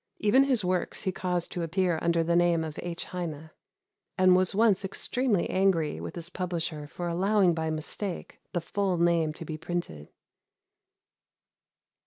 Even his works he caused to appear under the name of H. Heine, and was once extremely angry with his publisher for allowing by mistake the full name to be printed.